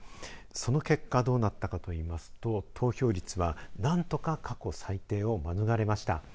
その結果どうなったかといいますと投票率は何とか過去最低をまぬがれました。